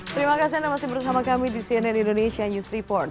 terima kasih anda masih bersama kami di cnn indonesia news report